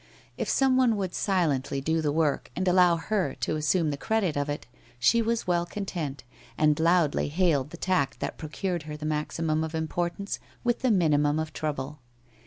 If someone would silently do the work and allow her to assume the credit of it, she was well content, and loudly hailed the tact that procured her the maximum of importance with the minimum of trouble.